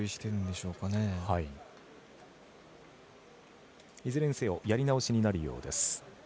いずれにせよやり直しになるようです。